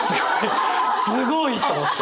すごいと思って。